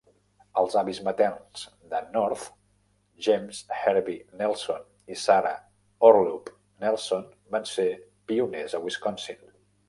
Els avis materns de North, James Hervey Nelson i Sarah Orelup Nelson, van ser pioners a Wisconsin.